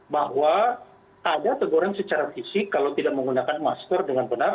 bahwa ada teguran secara fisik kalau tidak menggunakan masker dengan benar